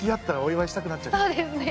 そうですね。